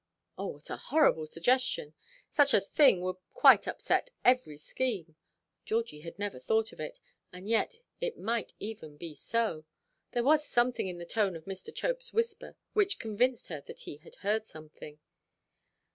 Oh, what a horrible suggestion! Such a thing would quite upset every scheme. Georgie had never thought of it. And yet it might even be so. There was something in the tone of Mr. Chopeʼs whisper, which convinced her that he had heard something.